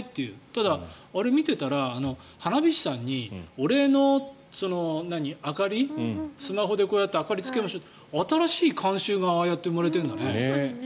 ただ、あれを見ていたら花火師さんにお礼の明かりスマホでこうやって明かりをつけましょうって新しい慣習がああやって生まれているんだね。